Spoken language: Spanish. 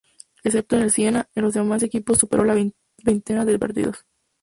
Excepto en el Siena, en los demás equipos superó la veintena de partidos.